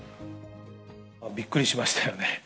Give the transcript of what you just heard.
びっくりしましたよね。